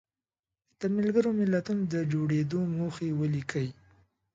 د ملګرو ملتونو د جوړېدو موخې ولیکئ.